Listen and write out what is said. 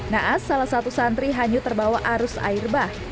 naas salah satu santri hanyut terbawa arus air bah